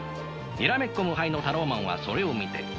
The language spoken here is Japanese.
にらめっこ無敗のタローマンはそれを見て。